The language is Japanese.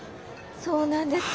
そうなんです。